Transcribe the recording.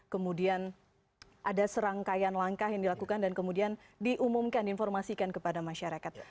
kemudian ada serangkaian langkah yang dilakukan dan kemudian diumumkan diinformasikan kepada masyarakat